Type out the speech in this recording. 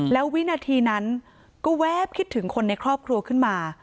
แล้ววินาทีนั้นก็แวบคิดถึงคนในครอบครัวขึ้นมา